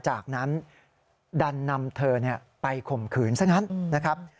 จากนั้นดันนำเธอไปข่มขืนซะงั้นนะครับ